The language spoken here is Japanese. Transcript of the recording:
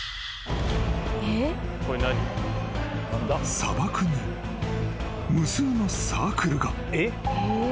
［砂漠に無数のサークルが］